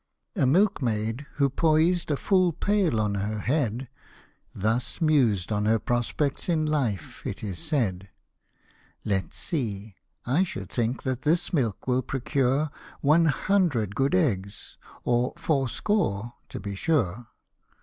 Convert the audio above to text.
A MILKMAID, who poized a full pail on her head, Thus mused on her prospects in life, it is said :" Let's see I should think that this milk will procure One hundred good eggs, or fourscore, to be sure.